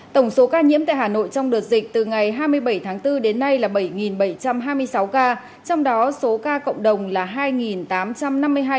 tổng số ca nhiễm tại hà nội trong đợt dịch từ ngày hai mươi bảy tháng bốn đến nay là bảy bảy trăm hai mươi sáu ca trong đó số ca cộng đồng là hai tám trăm năm mươi hai ca